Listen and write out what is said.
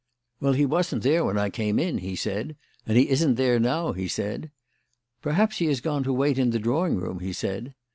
'Well, he wasn't there when I came in,' he said, 'and he isn't there now,' he said. 'Perhaps he has gone to wait in the drawing room,' he said.